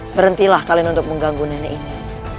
berhentilah kalian untuk mengganggu nenek ini